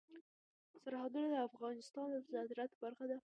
سرحدونه د افغانستان د صادراتو برخه ده.